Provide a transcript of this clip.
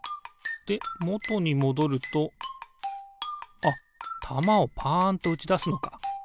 でもとにもどるとあったまをパンとうちだすのか。